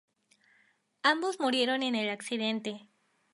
Ambos murieron en el accidente.